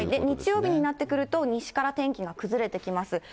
日曜日になってくると西から天気が崩れてきます。